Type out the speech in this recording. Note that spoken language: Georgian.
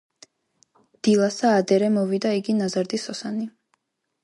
დილასა ადერე მოვიდა იგი ნაზარდი სოსანი